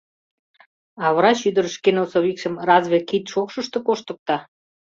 А врач ӱдыр шке носовикшым разве кид шокшышто коштыкта?